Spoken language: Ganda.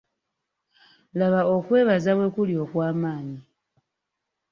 Laba okwebaza bwe kuli okw'amaanyi.